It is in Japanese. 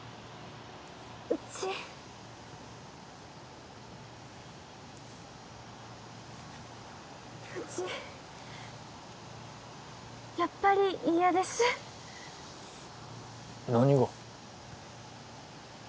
うちうちやっぱり嫌です何が？